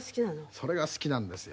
それが好きなんですよ。